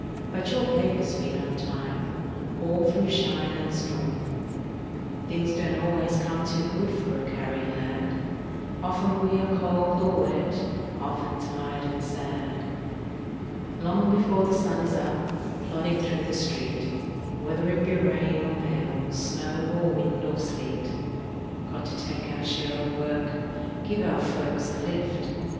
But your paper's been on time All through shine and storm. Things don't always come too good For a carrier lad. Often we are cold or wet, Often tired and sad. Long before the sun is up, Plodding through the street, Whether it be rain or hail, Snow or wind or sleet. Got to take our share of work, Give our folks a lift.